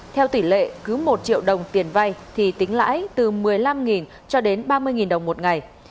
theo tỷ lệ cứ một triệu đồng tiền vay thì tính lãi từ một mươi năm cho đến ba mươi đồng một ngày